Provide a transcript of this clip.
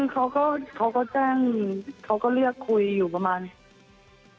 มือเขาก็นึกแล้วก็เลยคุยอยู่ประมาณ๓๔คน